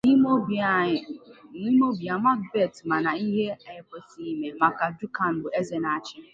N'ime obì ya, Macbeth mà nà ịhẹ â ekwesị̀ghị̀ ịme màkà Duncan bụ̀ ezè na-achị.